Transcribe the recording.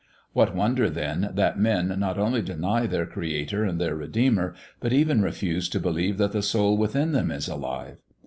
What wonder, then, that men not only deny their Creator and their Redeemer, but even refuse to believe that the soul within them is alive.